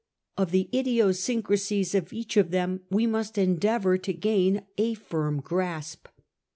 Of the idiosyncrasies of each of them we must endeavour to gain a firm grasp.